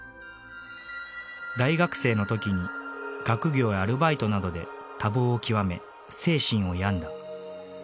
大学生の時に学業やアルバイトなどで多忙を極め精神を病んだ。